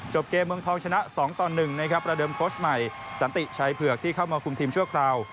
เกมเมืองทองชนะ๒ต่อ๑นะครับประเดิมโค้ชใหม่สันติชัยเผือกที่เข้ามาคุมทีมชั่วคราว